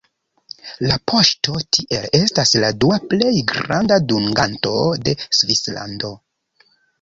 La poŝto tiel estas la dua plej granda dunganto de Svislando.